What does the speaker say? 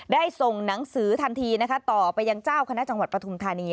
ส่งหนังสือทันทีนะคะต่อไปยังเจ้าคณะจังหวัดปฐุมธานี